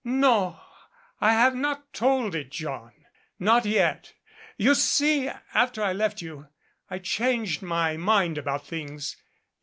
No, I have not told it, John, not yet. You see, after I left you, I changed my mind about things.